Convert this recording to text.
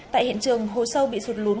tại hiện trường hồ sâu bị sụt lún